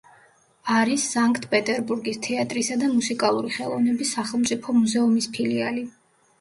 არის სანქტ-პეტერბურგის თეატრისა და მუსიკალური ხელოვნების სახელმწიფო მუზეუმის ფილიალი.